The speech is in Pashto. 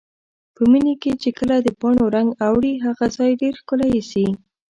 په مني کې چې کله د پاڼو رنګ اوړي، هغه ځای ډېر ښکلی ایسي.